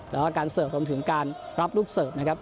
แล้วก็การเสิร์ฟรวมถึงการรับลูกเสิร์ฟนะครับ